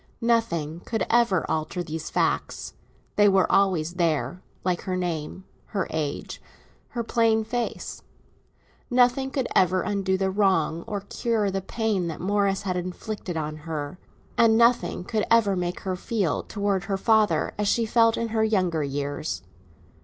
Nothing could ever alter these facts; they were always there, like her name, her age, her plain face. Nothing could ever undo the wrong or cure the pain that Morris had inflicted on her, and nothing could ever make her feel towards her father as she felt in her younger years.